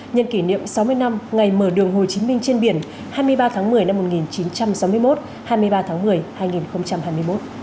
nhân kỷ niệm sáu mươi năm ngày mở đường hồ chí minh trên biển hai mươi ba tháng một mươi năm một nghìn chín trăm sáu mươi một hai mươi ba tháng một mươi hai nghìn hai mươi một